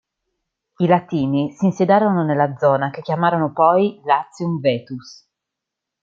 I Latini si insediarono nella zona che chiamarono poi "Latium vetus".